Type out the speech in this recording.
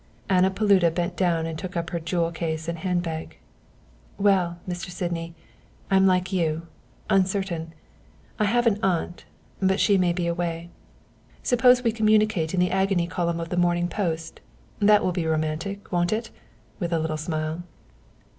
Anna Paluda bent down and took up her jewel case and handbag. "Well, Mr. Sydney I'm like you uncertain. I have an aunt but she may be away. Suppose we communicate in the agony column of the Morning Post that will be romantic, won't it?" with a little smile.